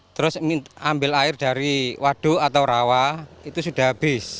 terus ambil air dari waduk atau rawa itu sudah habis